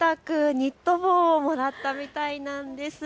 ニット帽をもらったみたいなんです。